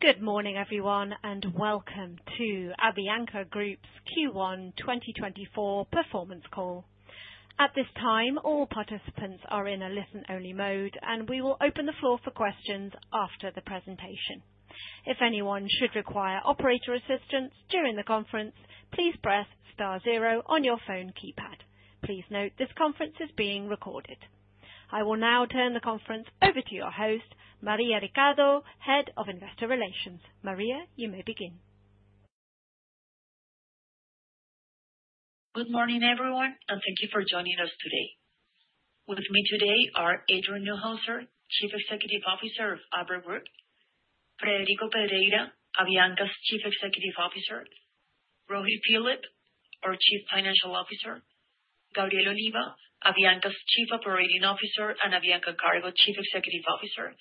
Good morning, everyone, and welcome to Avianca Group's Q1 2024 Performance Call. At this time, all participants are in a listen-only mode, and we will open the floor for questions after the presentation. If anyone should require operator assistance during the conference, please press star zero on your phone keypad. Please note, this conference is being recorded. I will now turn the conference over to your host, Maria Ricardo, Head of Investor Relations. Maria, you may begin. Good morning, everyone, and thank you for joining us today. With me today are Adrian Neuhauser, Chief Executive Officer of Avianca Group; Frederico Pedreira, Avianca's Chief Executive Officer; Rohit Philip, our Chief Financial Officer; Gabriel Oliva, Avianca's Chief Operating Officer and Avianca Cargo Chief Executive Officer;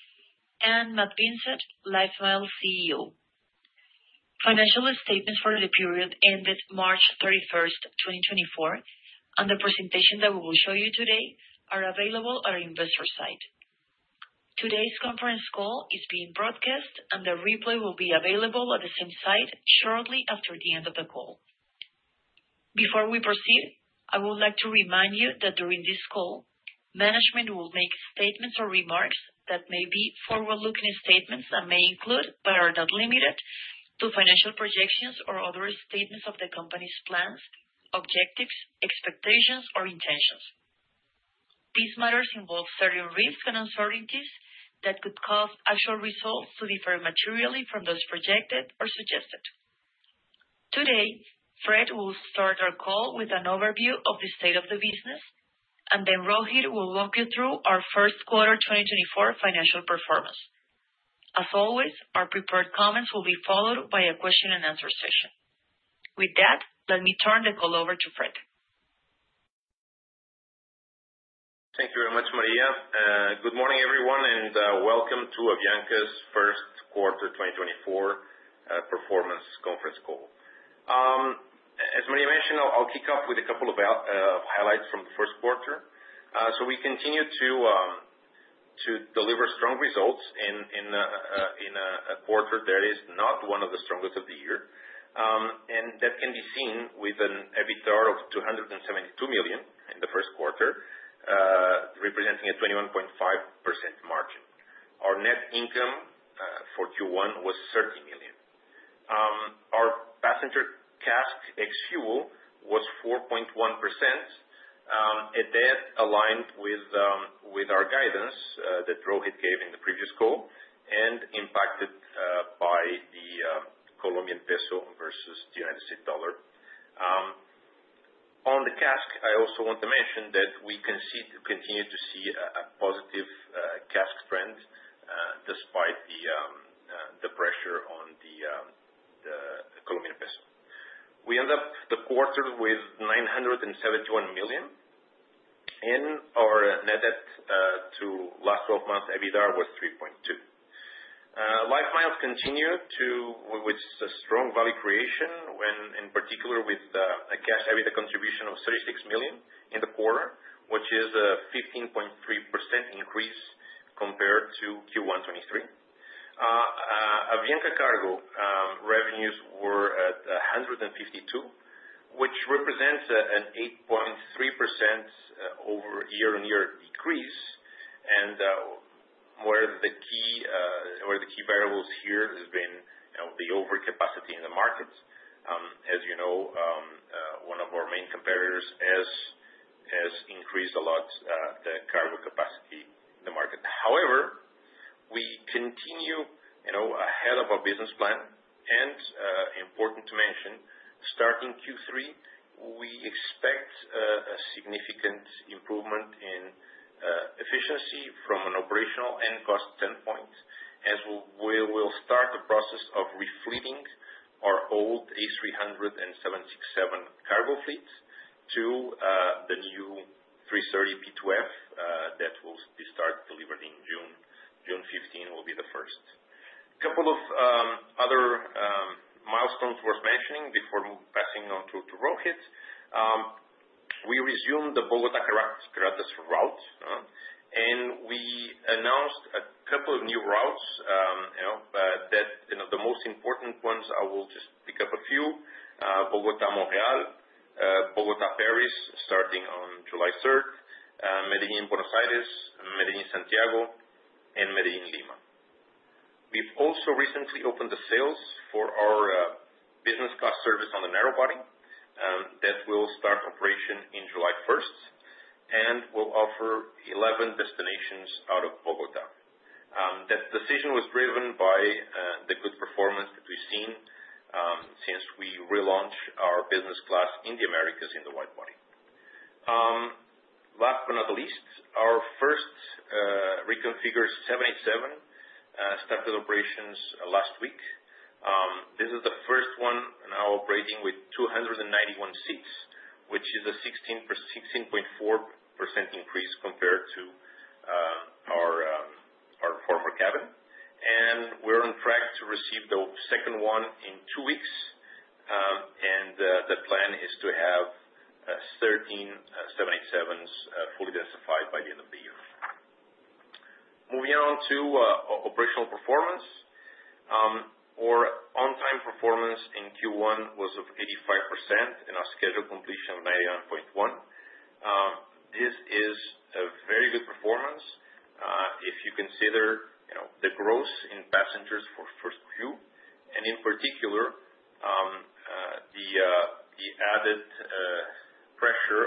and Matt Vincett, LifeMiles CEO. Financial statements for the period ended March 31, 2024, and the presentation that we will show you today are available on our investor site. Today's conference call is being broadcast, and the replay will be available at the same site shortly after the end of the call. Before we proceed, I would like to remind you that during this call, management will make statements or remarks that may be forward-looking statements that may include, but are not limited to, financial projections or other statements of the company's plans, objectives, expectations, or intentions. These matters involve certain risks and uncertainties that could cause actual results to differ materially from those projected or suggested. Today, Fred will start our call with an overview of the state of the business, and then Rohit will walk you through our first quarter 2024 financial performance. As always, our prepared comments will be followed by a question-and-answer session. With that, let me turn the call over to Fred. Thank you very much, Maria. Good morning, everyone, and welcome to Avianca's First Quarter 2024 Performance Conference Call. As Maria mentioned, I'll kick off with a couple of highlights from the first quarter. So we continue to deliver strong results in a quarter that is not one of the strongest of the year. And that can be seen with an EBITDA of $272 million in the first quarter, representing a 21.5% margin. Our net income for Q1 was $30 million. Our passenger CASK ex-fuel was 4.1%, and that aligned with our guidance that Rohit gave in the previous call and impacted by the Colombian peso versus the United States dollar. On the CASK, I also want to mention that we can continue to see a positive CASK trend, despite the pressure on the Colombian peso. We end up the quarter with $971 million in our net debt to last twelve months EBITDA was 3.2. LifeMiles continued to with a strong value creation when in particular with a cash EBITDA contribution of $36 million in the quarter, which is a 15.3% increase compared to Q1 2023. Avianca Cargo revenues were at 152, which represents an 8.3% year-over-year decrease. And where the key variables here has been, you know, the overcapacity in the market. As you know, one of our main competitors has, has increased a lot the cargo capacity in the market. However, we continue, you know, ahead of our business plan, and important to mention, starting Q3, we expect a significant improvement in efficiency from an operational and cost standpoint, as we will start the process of refleeting our old Boeing 767 cargo fleet to the new A330-200F that will be start delivered in June. June 15 will be the first. A couple of other milestones worth mentioning before passing on to Rohit. We resumed the Bogotá-Caracas route, and we announced a couple of new routes, you know, that, you know, the most important ones, I will just pick up a few. Bogotá-Montreal, Bogotá-Paris, starting on July third, Medellín-Buenos Aires, Medellín-Santiago, and Medellín-Lima. We've also recently opened the sales for our business class service on the narrow body that will start operation in July first, and we'll offer 11 destinations out of Bogotá. That decision was driven by the good performance that we've seen since we relaunched our business class in the Americas in the wide body. Last but not the least, our first reconfigured 787 started operations last week. This is the first one now operating with 291 seats, which is a 16.4% increase compared to our former cabin. And we're on track to receive the second one in two weeks, and the plan is to have 13 787s fully densified by the end of the year. Moving on to operational performance, our on-time performance in Q1 was 85% and our scheduled completion 91.1%. This is a very good performance, if you consider, you know, the growth in passengers for first Q, and in particular, the added pressure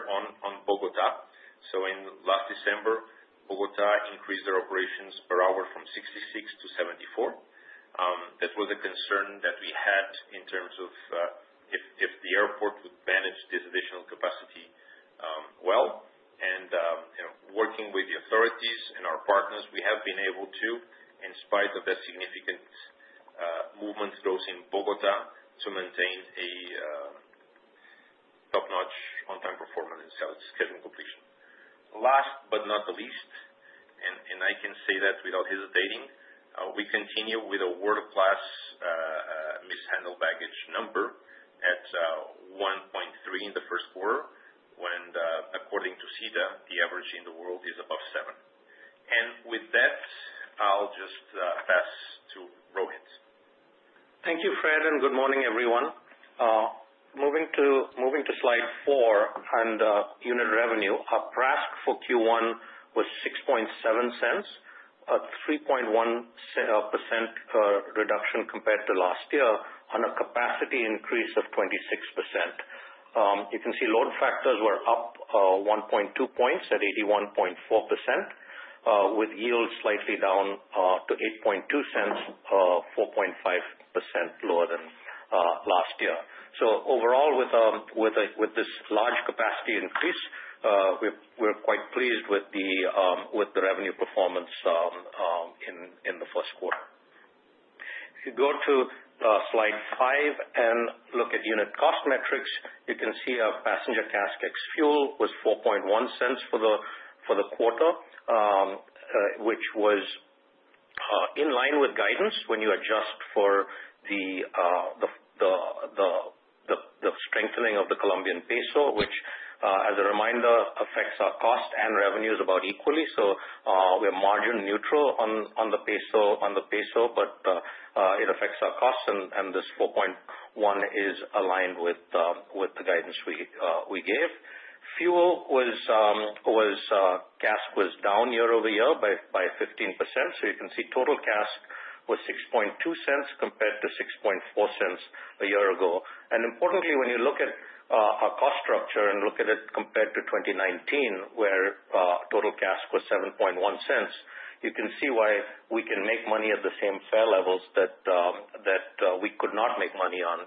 on Bogotá. So in last December, Bogotá increased their operations per hour from 66 to 74. That was a concern that we had in terms of if the airport would manage this additional capacity, well, and you know, working with the authorities and our partners, we have been able to, in spite of that significant movement growth in Bogotá, to maintain a top-notch on-time performance and schedule completion. Last but not the least, and I can say that without hesitating, we continue with a world-class mishandled baggage number at 1.3 in the first quarter, when according to SITA, the average in the world is above 7. And with that, I'll just pass to Rohit. Thank you, Fred, and good morning, everyone. Moving to slide 4 on the unit revenue. Our PRASK for Q1 was $0.067, a 3.1% reduction compared to last year on a capacity increase of 26%. You can see load factors were up 1.2 points at 81.4%, with yields slightly down to $0.082, 4.5% lower than last year. So overall with this large capacity increase, we're quite pleased with the revenue performance in the first quarter. If you go to slide 5 and look at unit cost metrics, you can see our passenger CASK ex-fuel was $0.041 for the quarter, which was in line with guidance when you adjust for the strengthening of the Colombian peso, which, as a reminder, affects our cost and revenues about equally. So, we're margin neutral on the peso, but it affects our cost, and this $0.041 is aligned with the guidance we gave. Fuel CASK was down year-over-year by 15%. So you can see total CASK was $0.062 compared to $0.064 a year ago. Importantly, when you look at our cost structure and look at it compared to 2019, where total CASK was $0.071, you can see why we can make money at the same fare levels that we could not make money on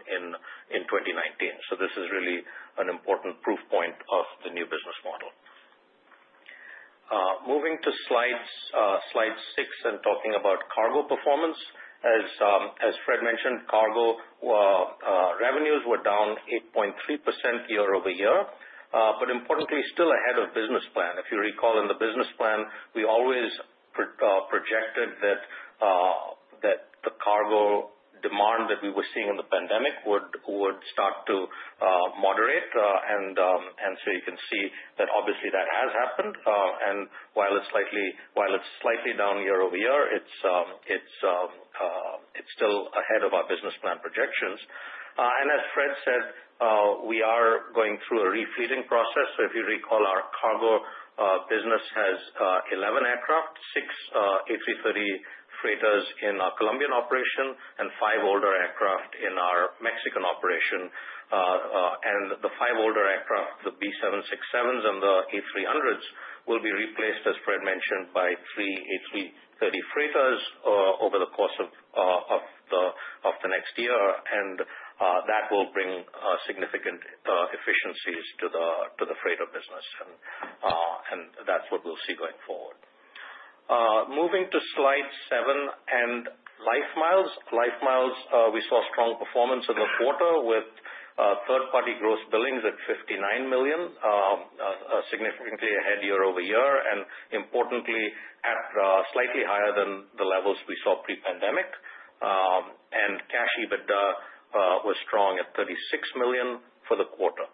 in 2019. So this is really an important proof point of the new business model. Moving to Slide 6 and talking about cargo performance. As Fred mentioned, cargo revenues were down 8.3% year-over-year, but importantly, still ahead of business plan. If you recall, in the business plan, we always projected that the cargo demand that we were seeing in the pandemic would start to moderate. And so you can see that obviously that has happened. And while it's slightly down year-over-year, it's still ahead of our business plan projections. And as Fred said, we are going through a refleeting process. So if you recall, our cargo business has 11 aircraft, 6 A330 freighters in our Colombian operation and 5 older aircraft in our Mexican operation. And the 5 older aircraft, the B767s and the A300s, will be replaced, as Fred mentioned, by 3 A330 freighters over the course of the next year, and that will bring significant efficiencies to the freighter business. And that's what we'll see going forward. Moving to slide 7 and LifeMiles. LifeMiles, we saw strong performance in the quarter with third-party gross billings at $59 million, significantly ahead year-over-year, and importantly, at slightly higher than the levels we saw pre-pandemic. And cash EBITDA was strong at $36 million for the quarter.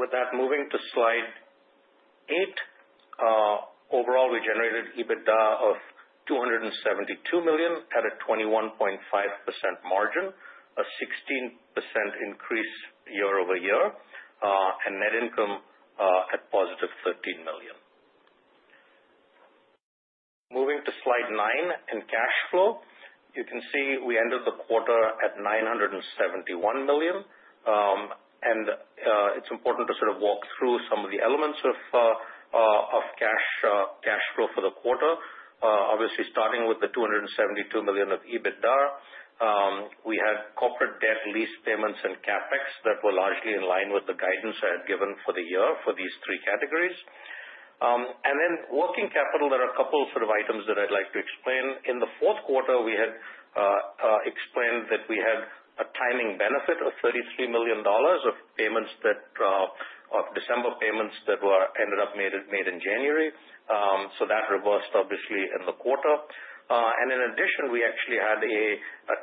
With that, moving to slide 8. Overall, we generated EBITDA of $272 million at a 21.5% margin, a 16% increase year-over-year, and net income at positive $13 million. Moving to slide 9 in cash flow. You can see we ended the quarter at $971 million. And it's important to sort of walk through some of the elements of cash flow for the quarter. Obviously, starting with the $272 million of EBITDA, we had corporate debt, lease payments, and CapEx that were largely in line with the guidance I had given for the year for these three categories. And then working capital, there are a couple sort of items that I'd like to explain. In the fourth quarter, we had explained that we had a timing benefit of $33 million of payments of December payments that ended up made in January. So that reversed obviously in the quarter. And in addition, we actually had a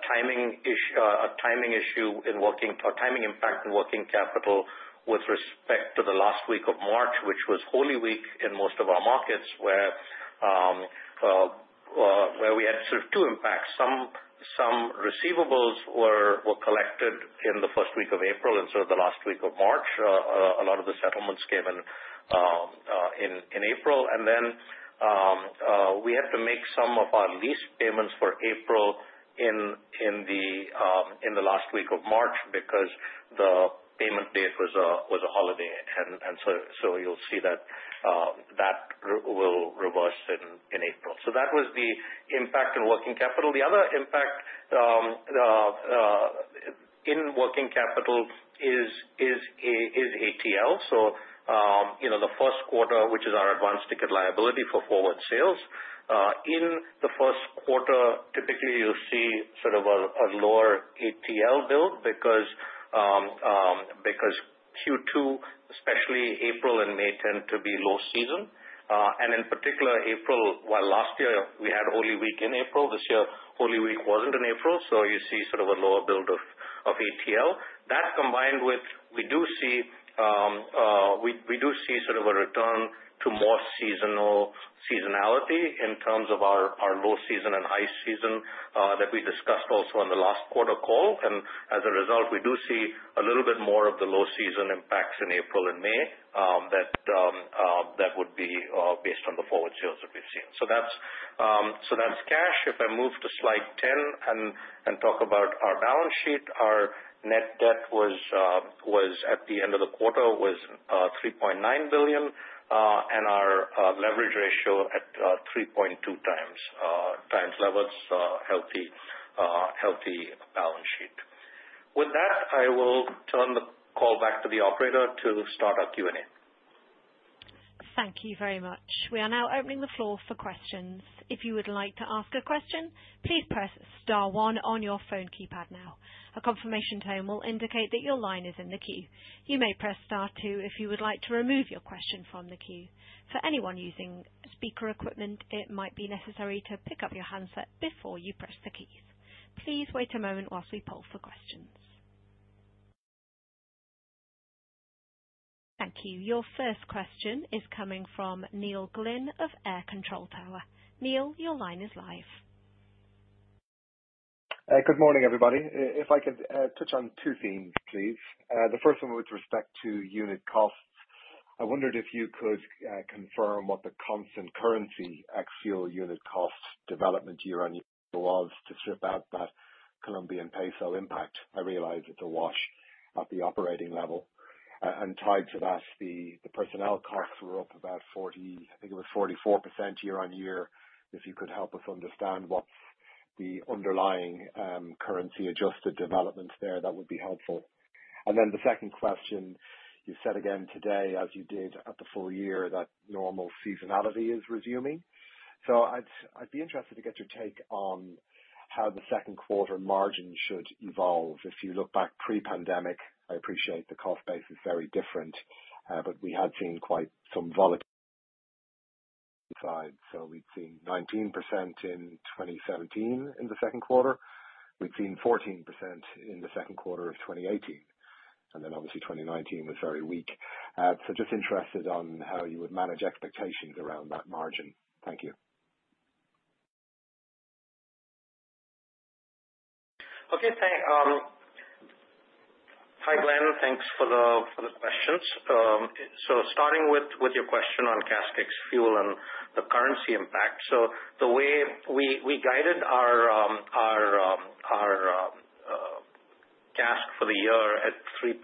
timing impact in working capital with respect to the last week of March, which was Holy Week in most of our markets, where we had sort of two impacts. Some receivables were collected in the first week of April instead of the last week of March. A lot of the settlements came in in April. And then, we had to make some of our lease payments for April in the last week of March, because the payment date was a holiday. And so you'll see that that will reverse in April. So that was the impact on working capital. The other impact in working capital is ATL. So, you know, the first quarter, which is our advanced ticket liability for forward sales. In the first quarter, typically, you'll see sort of a lower ATL build because Q2, especially April and May, tend to be low season. And in particular, April, while last year we had Holy Week in April, this year, Holy Week wasn't in April, so you see sort of a lower build of ATL. That combined with we do see sort of a return to more seasonal seasonality in terms of our low season and high season, that we discussed also on the last quarter call. And as a result, we do see a little bit more of the low season impacts in April and May, that would be based on the forward sales that we've seen. So that's cash. If I move to slide 10 and talk about our balance sheet, our net debt was at the end of the quarter $3.9 billion, and our leverage ratio at 3.2 times levels. Healthy balance sheet. With that, I will turn the call back to the operator to start our Q&A. Thank you very much. We are now opening the floor for questions. If you would like to ask a question, please press star one on your phone keypad now. A confirmation tone will indicate that your line is in the queue. You may press star two if you would like to remove your question from the queue. For anyone using speaker equipment, it might be necessary to pick up your handset before you press the keys. Please wait a moment while we poll for questions. Thank you. Your first question is coming from Neil Glynn of Air Control Tower. Neil, your line is live. Good morning, everybody. If I could touch on two themes, please. The first one with respect to unit costs. I wondered if you could confirm what the constant currency ex-fuel unit cost development year-on-year was to strip out that Colombian peso impact. I realize it's a wash at the operating level. And tied to that, the personnel costs were up about 40, I think it was 44% year-on-year. If you could help us understand what's the underlying currency-adjusted developments there, that would be helpful. And then the second question: You said again today, as you did at the full year, that normal seasonality is resuming. So I'd be interested to get your take on how the second quarter margin should evolve. If you look back pre-pandemic, I appreciate the cost base is very different, but we had seen quite some volatility side. So we'd seen 19% in 2017 in the second quarter. We'd seen 14% in the second quarter of 2018, and then obviously 2019 was very weak. So just interested on how you would manage expectations around that margin. Thank you. Okay, thank... Hi, Glynn. Thanks for the questions. So starting with your question on CASK ex-fuel and the currency impact. So the way we guided our CASK for the year at $0.038-$0.04.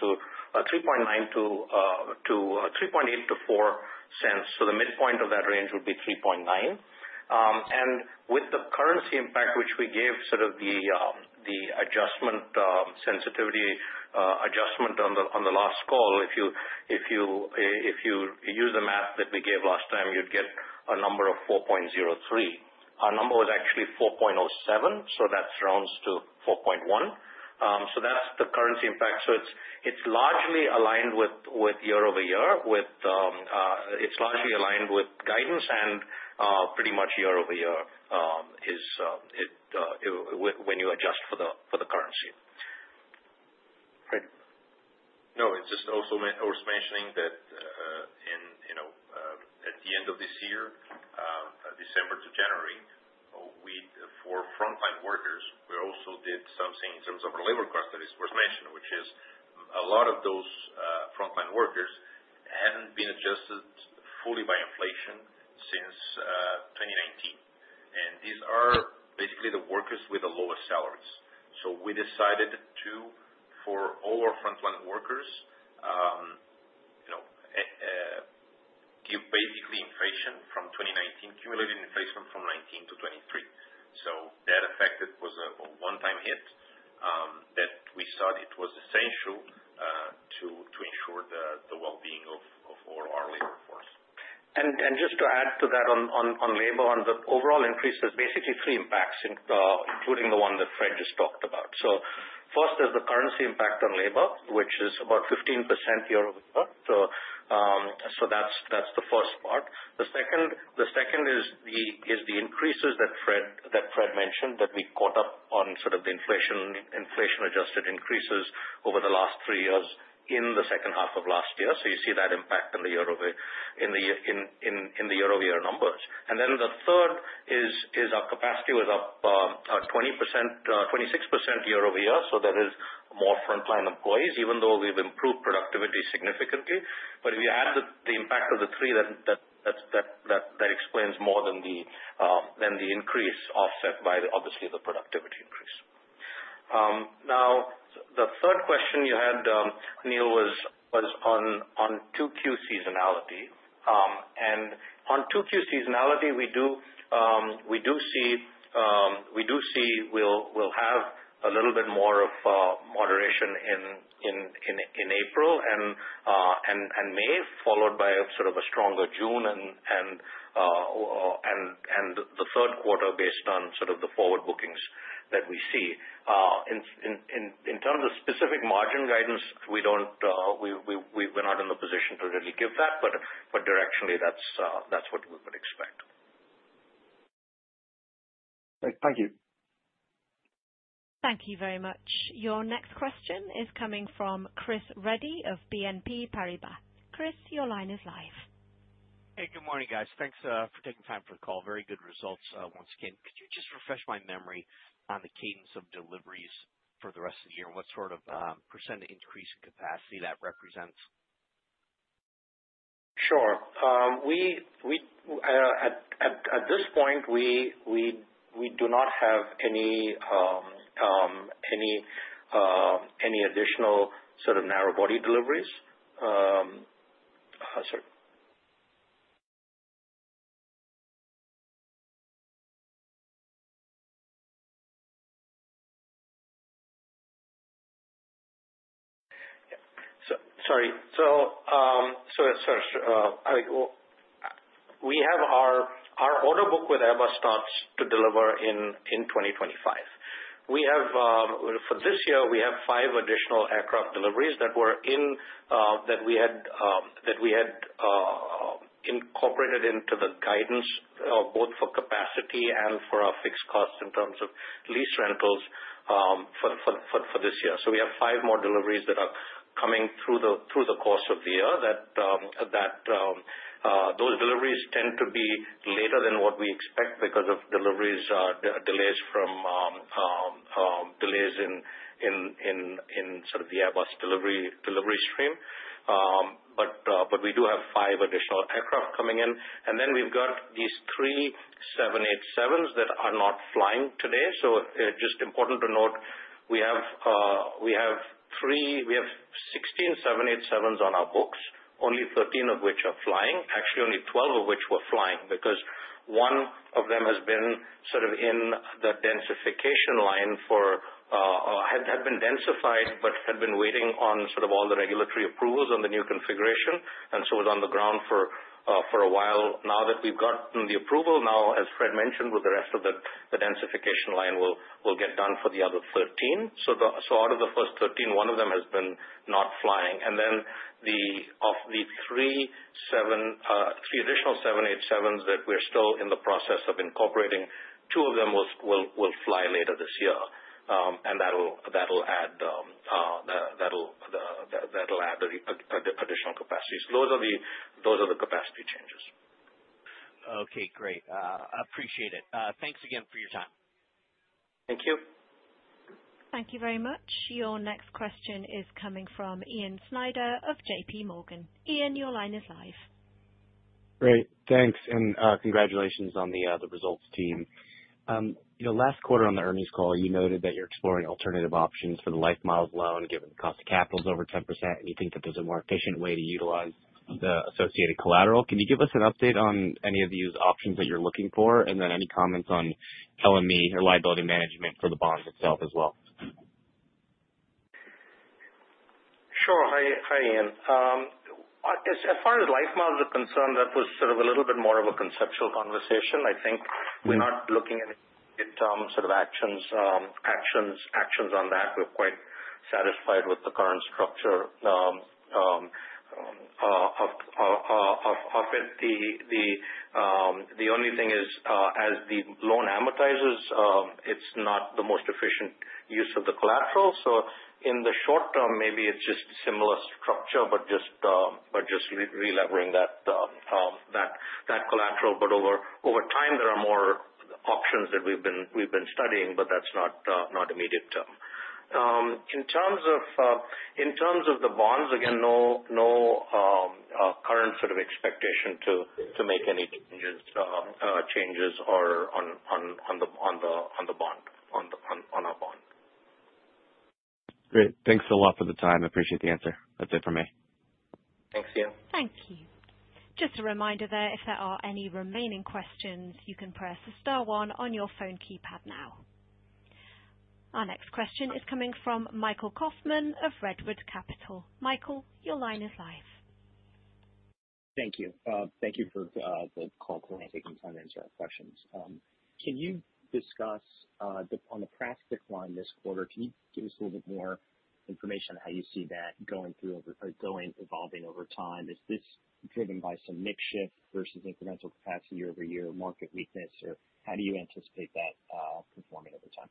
So the midpoint of that range would be $0.039. And with the currency impact, which we gave sort of the sensitivity adjustment on the last call, if you use the math that we gave last time, you'd get a number of $0.0403. Our number was actually $0.0407, so that rounds to $0.041. So that's the currency impact. So it's largely aligned with year over year. It's largely aligned with guidance and pretty much year over year when you adjust for the currency. Great. No, it's just also worth mentioning that, in, you know, at the end of this year, December to January, we for frontline workers also did something in terms of our labor cost that was first mentioned, which is a lot of those frontline workers hadn't been adjusted fully by inflation since 2019. And these are basically the workers with the lowest salaries. So we decided to, for all our frontline workers, you know, give basically inflation from 2019, cumulative inflation from 2019-2023. So that effect, it was a one-time hit, that we thought it was essential, to ensure the well-being of all our labor force. And just to add to that on labor, on the overall increase, there's basically three impacts, including the one that Fred just talked about. So first, there's the currency impact on labor, which is about 15% year-over-year. So that's the first part. The second is the increases that Fred mentioned, that we caught up on the inflation-adjusted increases over the last three years in the second half of last year. So you see that impact in the year-over-year numbers. And then the third is our capacity was up 20%, 26% year-over-year, so there is more frontline employees, even though we've improved productivity significantly. But if you add the impact of the three, then that explains more than the increase offset by obviously the productivity increase. Now, the third question you had, Neil, was on Q2 seasonality. And on Q2 seasonality, we do see we'll have a little bit more of moderation in April and May, followed by a sort of a stronger June and the third quarter based on sort of the forward bookings that we see. In terms of specific margin guidance, we don't, we're not in a position to really give that, but directionally, that's what we would expect. Great. Thank you. Thank you very much. Your next question is coming from Chris Reddy of BNP Paribas. Chris, your line is live. Hey, good morning, guys. Thanks for taking time for the call. Very good results, once again. Could you just refresh my memory on the cadence of deliveries for the rest of the year, and what sort of % increase in capacity that represents? Sure. We at this point do not have any additional sort of narrow body deliveries. Sorry. So, we have our order book with Airbus starts to deliver in 2025. We have, for this year, we have five additional aircraft deliveries that we had incorporated into the guidance, both for capacity and for our fixed costs in terms of lease rentals, for this year. So we have five more deliveries that are coming through the course of the year. Those deliveries tend to be later than what we expect because of delays in sort of the Airbus delivery stream. But we do have five additional aircraft coming in, and then we've got these three 787s that are not flying today. So just important to note, we have three—we have 16 787s on our books, only 13 of which are flying. Actually, only 12 of which were flying, because one of them has been sort of in the densification line for, had been densified, but had been waiting on sort of all the regulatory approvals on the new configuration, and so was on the ground for a while. Now that we've gotten the approval, now, as Fred mentioned, with the rest of the densification line, will get done for the other 13. So out of the first 13, one of them has been not flying. And then of the 787, three additional 787s that we're still in the process of incorporating, two of them will fly later this year. And that'll add the additional capacity. So those are the capacity changes. Okay, great. Appreciate it. Thanks again for your time. Thank you. Thank you very much. Your next question is coming from Ian Snyder of JP Morgan. Ian, your line is live. Great, thanks, and congratulations on the results team. You know, last quarter on the earnings call, you noted that you're exploring alternative options for the LifeMiles loan, given the cost of capital is over 10%, and you think that there's a more efficient way to utilize the associated collateral. Can you give us an update on any of these options that you're looking for, and then any comments on LME or liability management for the bond itself as well? Sure. Hi, Ian. As far as LifeMiles are concerned, that was sort of a little bit more of a conceptual conversation. I think we're not looking at any sort of actions on that. We're quite satisfied with the current structure of it. The only thing is, as the loan amortizes, it's not the most efficient use of the collateral. So in the short term, maybe it's just similar structure, but just re-levering that collateral. But over time, there are more options that we've been studying, but that's not immediate term. In terms of the bonds, again, no current sort of expectation to make any changes or on our bond. Great. Thanks a lot for the time. I appreciate the answer. That's it for me. Thanks, Ian. Thank you. Just a reminder there, if there are any remaining questions, you can press star one on your phone keypad now. Our next question is coming from Michael Kauffman of Redwood Capital. Michael, your line is live. Thank you. Thank you for the call, Rohit, and taking time to answer our questions. Can you discuss the on the PRASK decline this quarter? Can you give us a little bit more information on how you see that going through over or going evolving over time? Is this driven by some mix shift versus incremental capacity year-over-year market weakness, or how do you anticipate that performing over time?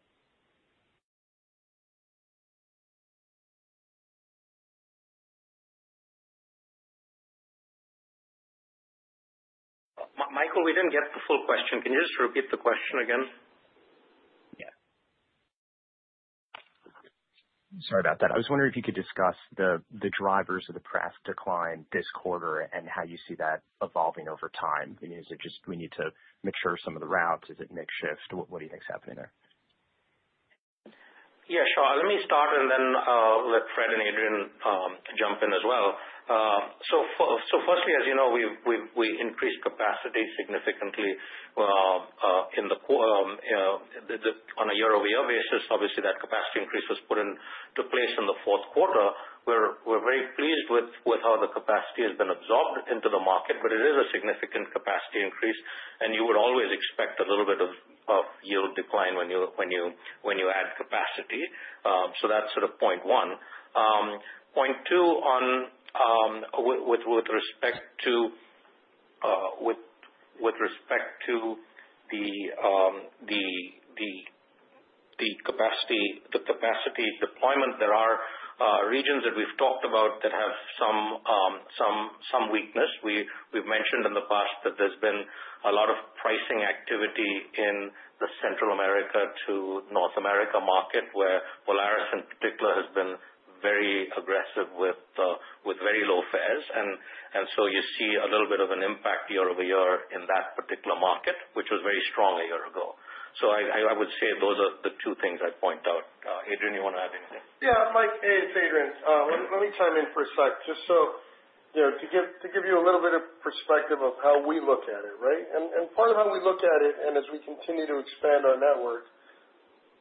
Michael, we didn't get the full question. Can you just repeat the question again? Yeah. Sorry about that. I was wondering if you could discuss the drivers of the PRASK decline this quarter and how you see that evolving over time. I mean, is it just we need to mature some of the routes? Is it mix shift? What do you think is happening there? Yeah, sure. Let me start and then let Fred and Adrian jump in as well. So firstly, as you know, we increased capacity significantly in the quarter on a year-over-year basis. Obviously, that capacity increase was put into place in the fourth quarter. We're very pleased with how the capacity has been absorbed into the market, but it is a significant capacity increase, and you would always expect a little bit of yield decline when you add capacity. So that's sort of point one. Point two on, with respect to the capacity deployment, there are regions that we've talked about that have some weakness. We've mentioned in the past that there's been a lot of pricing activity in the Central America to North America market, where Volaris, in particular, has been very aggressive with very low fares. And so you see a little bit of an impact year-over-year in that particular market, which was very strong a year ago. So I would say those are the two things I'd point out. Adrian, you want to add anything? Yeah, Mike, hey, it's Adrian. Let me, let me chime in for a sec, just so, you know, to give, to give you a little bit of perspective of how we look at it, right? And, and part of how we look at it, and as we continue to expand our network,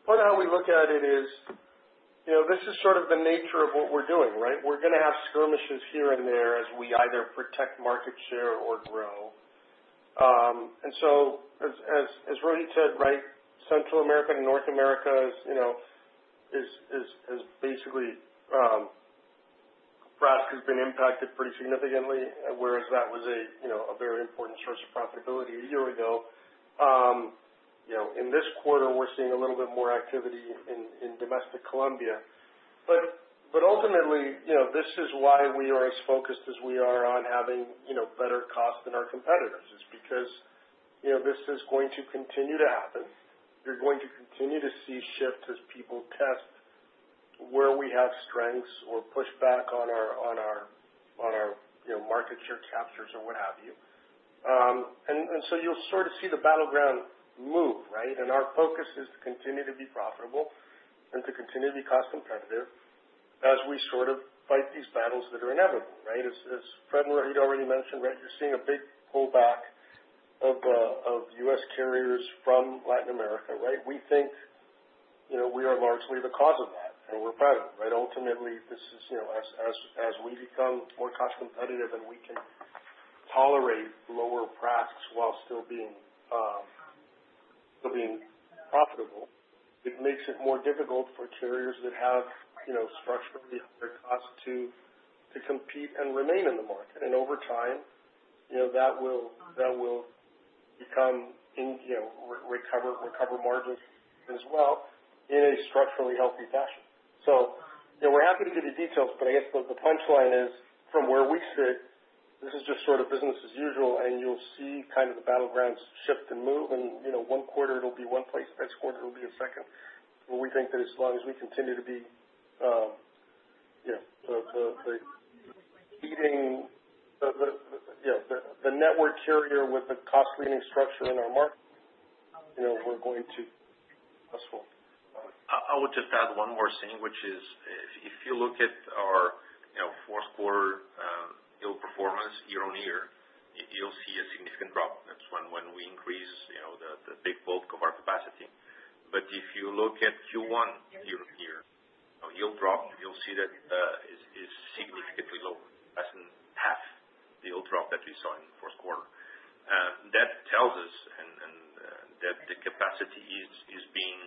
part of how we look at it is, you know, this is sort of the nature of what we're doing, right? We're gonna have skirmishes here and there as we either protect market share or grow. And so as, as, as Rohit said, right, Central America and North America is, you know, is, is, is basically, PRASK has been impacted pretty significantly, whereas that was a, you know, a very important source of profitability a year ago. You know, in this quarter, we're seeing a little bit more activity in, in domestic Colombia. But ultimately, you know, this is why we are as focused as we are on having, you know, better costs than our competitors. It's because, you know, this is going to continue to happen. You're going to continue to see shifts as people test where we have strengths or pushback on our, you know, market share captures or what have you. And so you'll sort of see the battleground move, right? And our focus is to continue to be profitable and to continue to be cost competitive as we sort of fight these battles that are inevitable, right? As Fred and Rohit already mentioned, right, you're seeing a big pullback of U.S. carriers from Latin America, right? We think, you know, we are largely the cause of that, and we're proud of it, right? Ultimately, this is, you know, as we become more cost competitive, and we can tolerate lower PRASKs while still being profitable, it makes it more difficult for carriers that have, you know, structurally higher costs to compete and remain in the market. And over time, you know, that will recover margins as well in a structurally healthy fashion. So, you know, we're happy to give you details, but I guess the punchline is, from where we sit, this is just sort of business as usual, and you'll see kind of the battlegrounds shift and move, and, you know, one quarter it'll be one place, next quarter it'll be a second. But we think that as long as we continue to be, you know, the leading... Yeah, the network carrier with the cost-leading structure in our market, you know, we're going to be successful. I would just add one more thing, which is, if you look at our, you know, fourth quarter, yield performance year-on-year, you'll see a significant drop. That's when we increase, you know, the big bulk of our capacity. But if you look at Q1 year-on-year, our yield drop, you'll see that is significantly lower, less than half the yield drop that we saw in the first quarter. That tells us that the capacity is being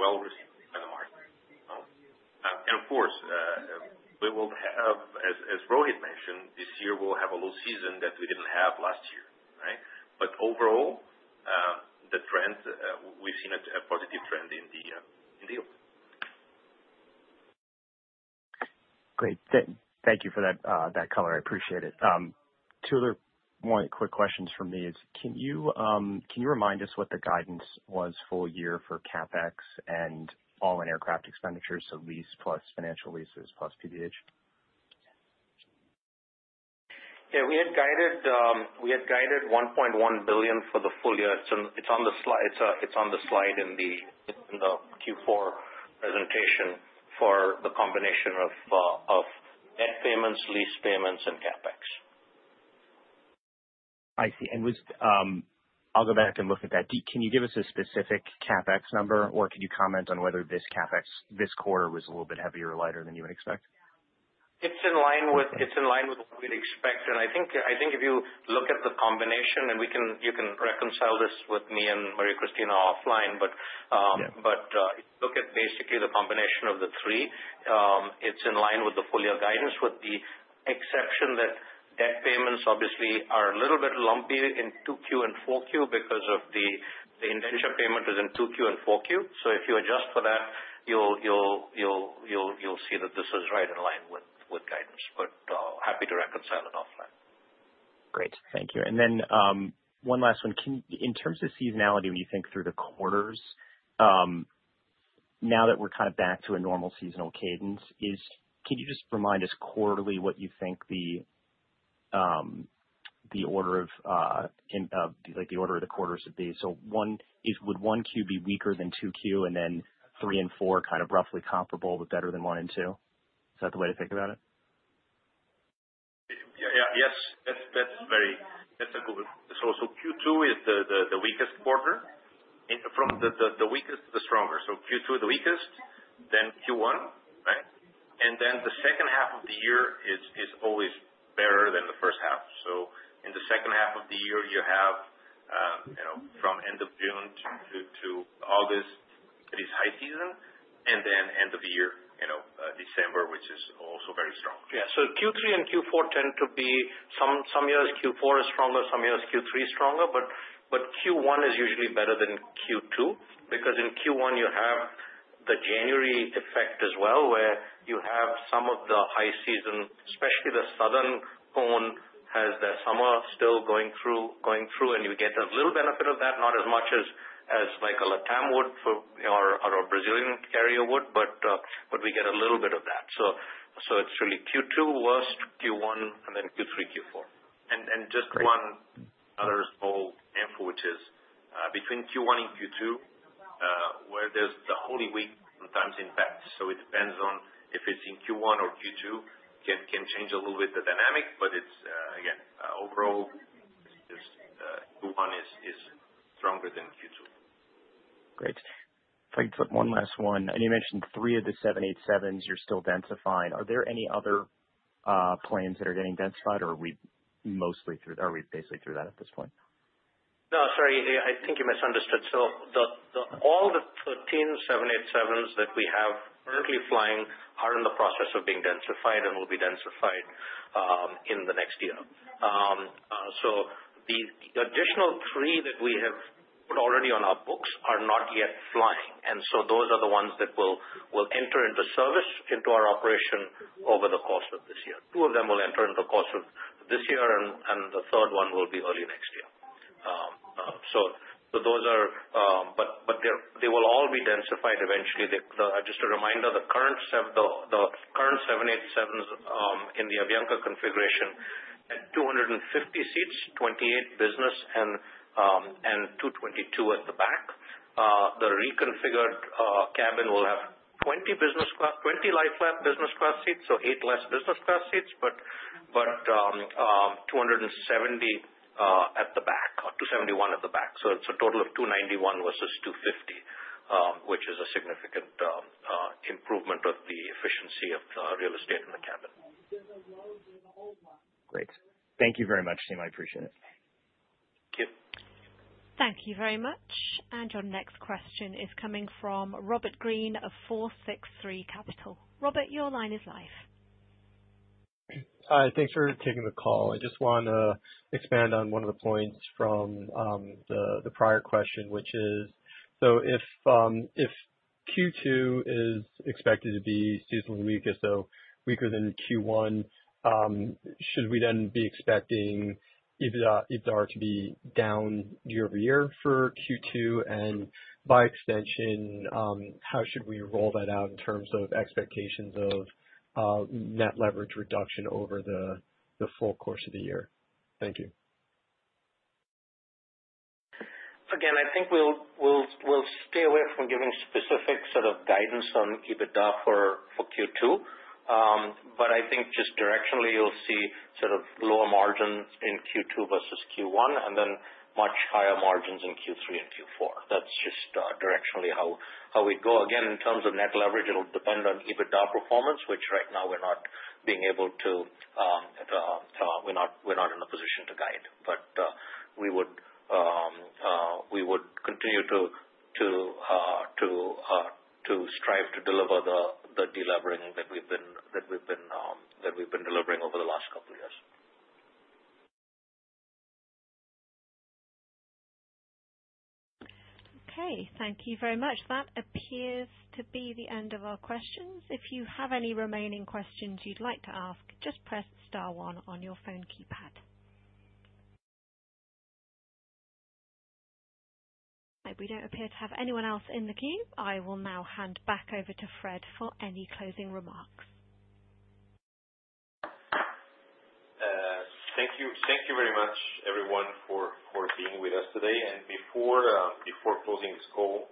well received by the market. And of course, we will have, as Rohit mentioned, this year we'll have a low season that we didn't have last year, right? But overall, the trend, we've seen a positive trend in the yield. Great. Thank you for that, that color. I appreciate it. Two other quick questions from me is, can you remind us what the guidance was full year for CapEx and all-in aircraft expenditures, so lease plus financial leases plus PBH? Yeah, we had guided, we had guided $1.1 billion for the full year. It's on, it's on the slide. It's, it's on the slide in the, in the Q4 presentation for the combination of, of net payments, lease payments, and CapEx. I see, and was, I'll go back and look at that. Can you give us a specific CapEx number, or could you comment on whether this CapEx this quarter was a little bit heavier or lighter than you would expect? It's in line with, it's in line with what we'd expect. And I think, I think if you look at the combination, and we can—you can reconcile this with me and Maria Cristina offline. But if you look at basically the combination of the three, it's in line with the full year guidance, with the exception that debt payments obviously are a little bit lumpy in Q2 and Q4 because of the indenture payment is in Q2 and Q4. So if you adjust for that, you'll see that this is right in line with guidance, but happy to reconcile that offline. Great, thank you. And then, one last one. Can you... In terms of seasonality, when you think through the quarters, now that we're kind of back to a normal seasonal cadence, can you just remind us quarterly what you think the, the order of, in, like, the order of the quarters would be? So one is, would Q1 be weaker than Q2, and then three and four kind of roughly comparable, but better than one and two? Is that the way to think about it? Yeah. Yes, that's, that's very... That's a good one. So, so Q2 is the, the, the weakest quarter. In from the, the weakest to the stronger. So Q2 is the weakest, then Q1, right? And then the second half of the year is, is always better than the first half. So in the second half of the year, you have, you know, from end of June to, to August, it is high season, and then end of the year, you know, December, which is also very strong. Yeah. So Q3 and Q4 tend to be some years Q4 is stronger, some years Q3 is stronger. But Q1 is usually better than Q2, because in Q1 you have the January effect as well, where you have some of the high season, especially the Southern Cone, has the summer still going through, and you get a little benefit of that, not as much as, like a LATAM would, or a Brazilian carrier would, but we get a little bit of that. So it's really Q2, worst Q1, and then Q3, Q4. Just one other small info, which is, between Q1 and Q2, where there's the Holy Week sometimes impacts. So it depends on if it's in Q1 or Q2, can change a little bit the dynamic, but it's, again, overall, just, Q1 is stronger than Q2. Great. If I can put one last one, and you mentioned 3 of the 787s you're still densifying. Are there any other planes that are getting densified, or are we mostly through, are we basically through that at this point? No, sorry, I think you misunderstood. So the... All the 13 787s that we have currently flying are in the process of being densified and will be densified in the next year. So the additional three that we have put already on our books are not yet flying, and so those are the ones that will enter into service into our operation over the course of this year. Two of them will enter in the course of this year, and the third one will be early next year. So those are... But they will all be densified eventually. Just a reminder, the current 787s in the avianca configuration at 250 seats, 28 business, and 222 at the back. The reconfigured cabin will have 20 business class, 20 lie-flat business class seats, so 8 less business class seats, but 270 at the back, or 271 at the back. So it's a total of 291 versus 250, which is a significant improvement of the efficiency of the real estate in the cabin. Great. Thank you very much, team. I appreciate it. Thank you. Thank you very much. Your next question is coming from Robert Green of FourSixThree Capital. Robert, your line is live. Hi, thanks for taking the call. I just want to expand on one of the points from the prior question, which is: So if Q2 is expected to be seasonally weaker, so weaker than Q1, should we then be expecting EBITDA to be down year-over-year for Q2? And by extension, how should we roll that out in terms of expectations of net leverage reduction over the full course of the year? Thank you. Again, I think we'll stay away from giving specific sort of guidance on EBITDA for Q2. But I think just directionally, you'll see sort of lower margins in Q2 versus Q1, and then much higher margins in Q3 and Q4. That's just directionally how we go. Again, in terms of net leverage, it'll depend on EBITDA performance, which right now we're not in a position to guide. But we would continue to strive to deliver the delivering that we've been delivering over the last couple of years. Okay, thank you very much. That appears to be the end of our questions. If you have any remaining questions you'd like to ask, just press star one on your phone keypad. We don't appear to have anyone else in the queue. I will now hand back over to Fred for any closing remarks. Thank you. Thank you very much, everyone, for being with us today. And before closing this call,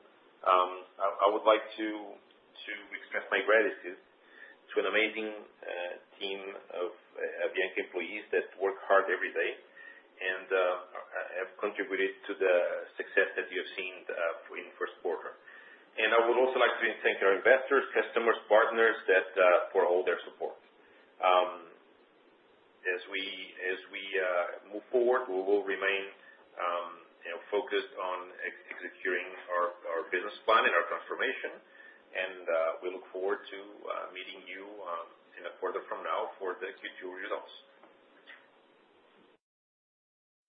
I would like to express my gratitude to an amazing team of Avianca employees that work hard every day and have contributed to the success that you have seen in first quarter. And I would also like to thank our investors, customers, partners for all their support. As we move forward, we will remain, you know, focused on executing our business plan and our transformation. And we look forward to meeting you in a quarter from now for the Q2 results.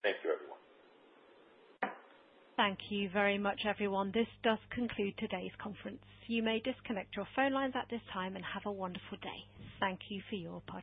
Thank you, everyone. Thank you very much, everyone. This does conclude today's conference. You may disconnect your phone lines at this time and have a wonderful day. Thank you for your participation.